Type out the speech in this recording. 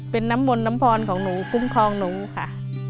เป็นน้ำมนต์น้ำพรของหนูคุ้มครองหนูค่ะ